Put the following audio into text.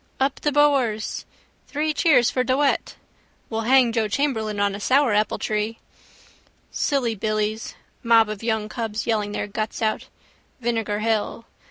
—Up the Boers! —Three cheers for De Wet! —We'll hang Joe Chamberlain on a sourapple tree. Silly billies: mob of young cubs yelling their guts out. Vinegar hill.